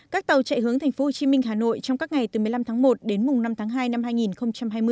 các tàu chạy hướng tp hcm hà nội trong các ngày từ một mươi năm tháng một đến năm tháng hai năm hai nghìn hai mươi